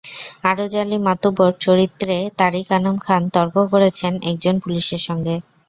আরজ আলী মাতুব্বর চরিত্রে তারিক আনাম খান তর্ক করছেন একজন পুলিশের সঙ্গে।